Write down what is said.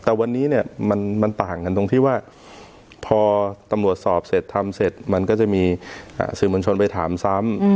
แต่วันนี้เนี่ยมันต่างกันตรงที่ว่าพอตำรวจสอบเสร็จทำเสร็จมันก็จะมีสื่อมวลชนไปถามซ้ำ